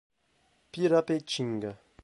Pirapetinga